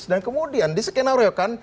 dan kemudian di skenario kan